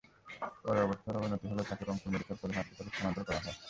পরে অবস্থার অবনতি হলে তাঁকে রংপুর মেডিকেল কলেজ হাসপাতালে স্থানান্তর করা হয়।